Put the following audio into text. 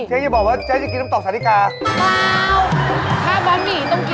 แล้วกินลามนั่ง